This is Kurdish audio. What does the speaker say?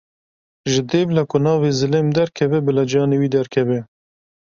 Ji dêvla ku navê zilêm derkeve bila canê wî derkeve.